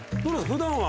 普段は。